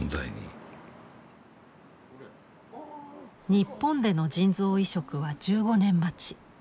日本での腎臓移植は１５年待ち。